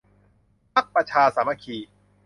พรรคประชาสามัคคี